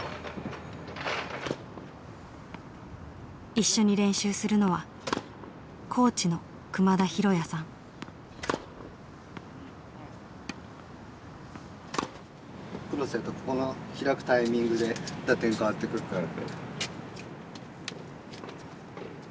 一緒に練習するのはクロスやるとここの開くタイミングで打点変わってくるから。